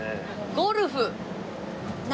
ゴルフ。